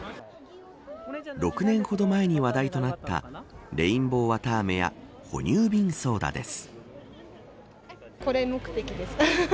６年ほど前に話題となったレインボーわたあめや哺乳瓶ソーダです。